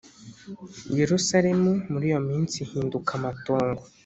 Yerusalemu muri iyo minsi ihinduka amatongo